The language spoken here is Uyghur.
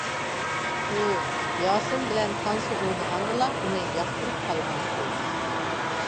ئۇ ياسىن بىلەن تانسا ئوينىغاندىلا ئۇنى ياقتۇرۇپ قالغانىدى.